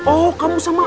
oh kamu sama